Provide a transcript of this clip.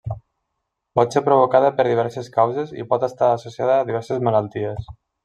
Pot ser provocada per diverses causes i pot estar associada a diverses malalties.